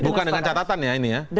bukan dengan catatan ya ini ya